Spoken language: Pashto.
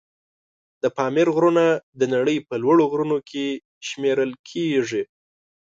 د پامیر غرونه د نړۍ په لوړ غرونو کې شمېرل کېږي.